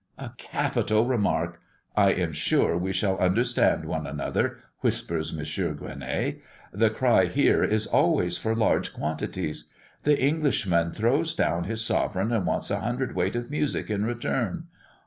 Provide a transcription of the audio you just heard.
"A capital remark! I am sure we shall understand one another," whispers M. Gueronnay. "The cry here is always for large quantities. The Englishman throws down his sovereign and wants a hundred weight of music in return.